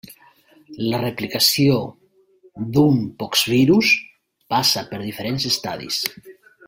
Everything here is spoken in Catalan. La replicació d'un poxvirus passa per diferents estadis.